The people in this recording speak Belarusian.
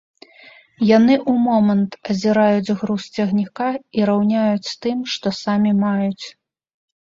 Яны ў момант азіраюць груз цягніка і раўняюць з тым, што самі маюць.